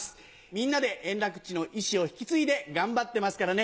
みんなで円楽っちの遺志を引き継いで頑張ってますからね。